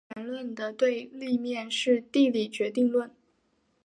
或然论的对立面是地理决定论。